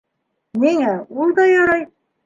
— Ниңә, ул да ярай.